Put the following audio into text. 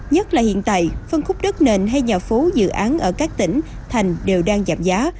nhất là hiện tại phân khúc đất nền hay nhà phố dự án ở các tỉnh thành đều đang giảm giá